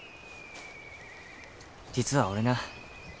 実は俺な